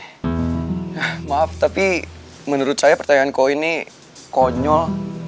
ya maaf tapi menurut saya pertanyaan kau ini konyol